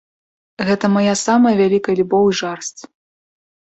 Гэта мая самая вялікая любоў і жарсць.